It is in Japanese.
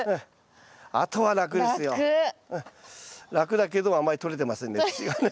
楽だけどあまり取れてませんね